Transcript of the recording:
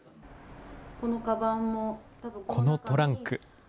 このトランク。